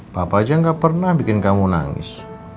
papa aja gak pernah bikin kamu nangis